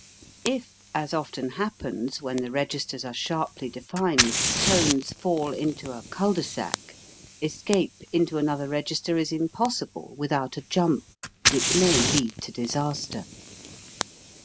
If, as often happens when the registers are sharply denned, tones fall into a cul de sac, escape into another register is impossible, without a jump, which may lead to disaster.